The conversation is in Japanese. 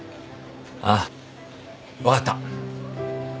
ああ分かった。